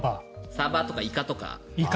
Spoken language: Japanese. サバとかイカとか。